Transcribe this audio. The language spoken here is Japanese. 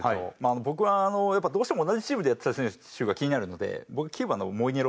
僕はやっぱどうしても同じチームでやってた選手が気になるので僕キューバのモイネロ。